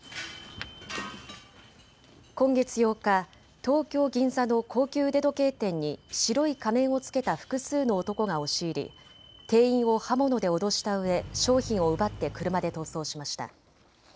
今月８日、東京銀座の高級腕時計店に白い仮面を着けた複数の男が押し入り店員を刃物で脅したうえ商品を奪って車で逃走しました。